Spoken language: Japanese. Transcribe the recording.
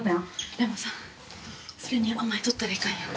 でもさそれに甘えとったらいかんよね。